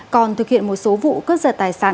còn thực hiện một số vụ cướp giật tài sản